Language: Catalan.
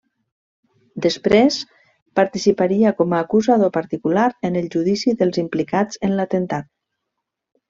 Després participaria com a acusador particular en el judici dels implicats en l'atemptat.